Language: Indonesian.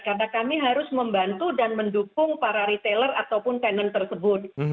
karena kami harus membantu dan mendukung para retailer ataupun tenant tersebut